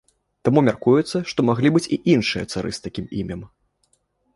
Таму мяркуецца, што маглі быць і іншыя цары з такім імем.